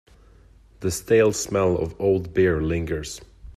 The stale smell of old beer lingers.